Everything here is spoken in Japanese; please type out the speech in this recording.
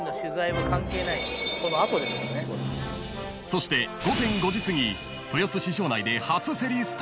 ［そして午前５時すぎ豊洲市場内で］